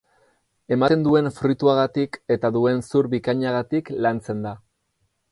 Ematen duen fruituagatik eta duen zur bikainagatik lantzen da.